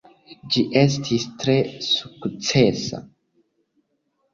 Ĝi estis tre sukcesa.